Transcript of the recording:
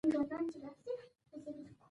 کريم : ناستو کسانو ته وويل